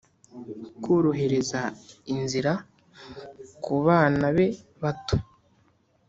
korohereza inzira kubana be bato,